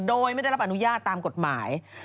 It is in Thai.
โดยไม่ได้รับอนุญาตตามกฎหมาย